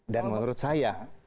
dan menurut saya